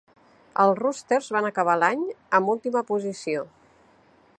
Els Roosters van acabar l'any en última posició.